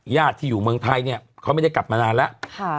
ญาติที่อยู่เมืองไทยเนี่ยเขาไม่ได้กลับมานานแล้ว